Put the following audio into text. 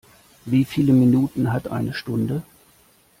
Wie viele Minuten hat eine Stunde?